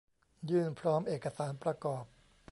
ยื่นพร้อมเอกสารประกอบ